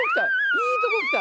いいとこきた！